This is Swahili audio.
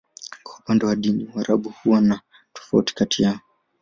Kwa upande wa dini, Waarabu huwa na tofauti kati yao.